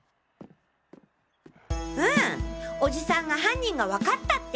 うんオジさんが犯人が分かったって。